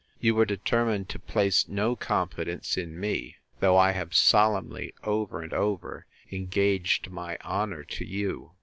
You were determined to place no confidence in me, though I have solemnly, over and over, engaged my honour to you.